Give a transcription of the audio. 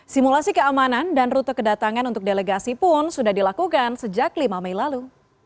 simulasi keamanan dan rute kedatangan untuk delegasi pun sudah dilakukan sejak lima mei lalu